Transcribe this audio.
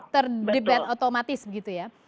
ter debate otomatis begitu ya